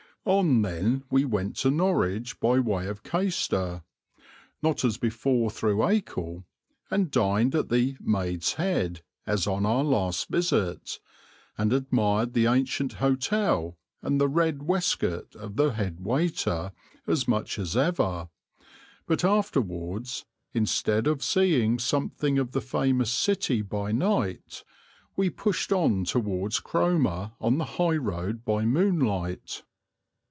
On, then, we went to Norwich by way of Caister, not as before through Acle, and dined at the "Maid's Head," as on our last visit, and admired the ancient hotel and the red waistcoat of the head waiter as much as ever; but afterwards, instead of seeing something of the famous city by night, we pushed on towards Cromer on the high road by moonlight.